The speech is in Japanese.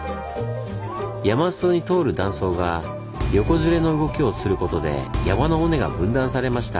山裾に通る断層が横ずれの動きをすることで山の尾根が分断されました。